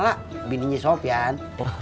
buhut ituhi dengek dara kan